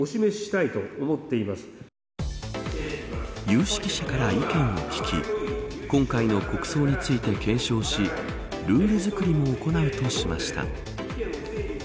有識者から意見を聞き今回の国葬について検証しルール作りも行うとしました。